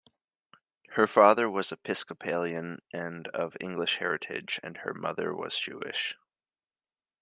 Her father was Episcopalian and of English heritage, and her mother was Jewish.